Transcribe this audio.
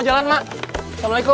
ketibaan gajah kamu baru tahu